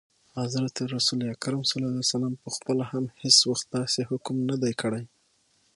حضرت رسول اکرم ص پخپله هم هیڅ وخت داسي حکم نه دی کړی.